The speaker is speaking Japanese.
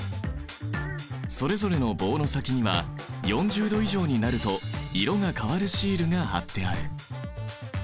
それぞれの棒の先には４０℃以上になると色が変わるシールが貼ってある。